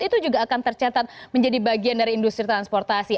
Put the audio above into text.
itu juga akan tercatat menjadi bagian dari industri transportasi